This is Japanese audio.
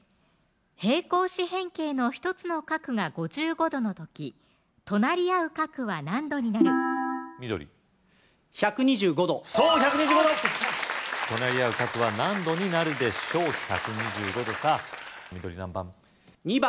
平行四辺形の１つの角が５５度の時隣り合う角は何度になる緑１２５度そう１２５度隣り合う角は何度になるでしょう１２５度さぁ緑何番？